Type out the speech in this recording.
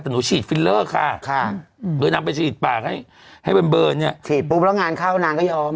แต่หนูฉีดฟิลเลอร์ค่ะโดยนางไปฉีดปากให้ให้มันเบิร์นเนี่ยฉีดปุ๊บแล้วงานเข้านางก็ยอม